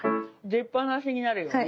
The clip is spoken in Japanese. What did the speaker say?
出っぱなしになるように。